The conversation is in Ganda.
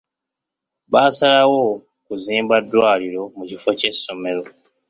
Baasalawo kuzimba ddwaliro mu kifo ky'essomero.